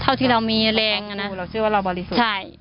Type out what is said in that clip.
เท่าที่เรามีแรงนั้นนะถ้าบ้างผมเราเชื่อว่าเราบริสุทธิ์